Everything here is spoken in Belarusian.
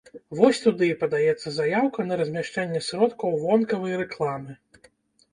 Вось туды і падаецца заяўка на размяшчэнне сродкаў вонкавай рэкламы.